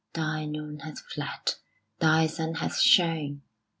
Thy noon hath fled: thy sun hath shone.